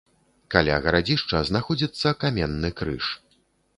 Каля гарадзішча знаходзіцца каменны крыж.